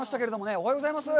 おはようございます。